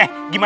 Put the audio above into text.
aneh ya allah